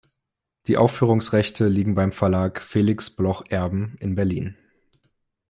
Die Aufführungsrechte liegen beim Verlag "Felix Bloch Erben" in Berlin.